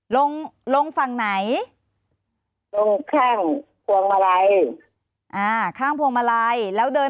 ลงลงฝั่งไหนลงข้างพวงมาลัยอ่าข้างพวงมาลัยแล้วเดิน